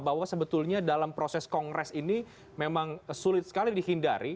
bahwa sebetulnya dalam proses kongres ini memang sulit sekali dihindari